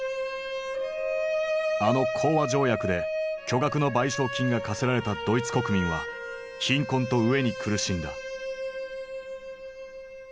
あの講和条約で巨額の賠償金が科せられたドイツ国民は貧困と飢えに苦しんだ。